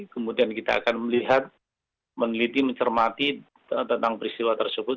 kemudian kita akan melihat meneliti mencermati tentang peristiwa tersebut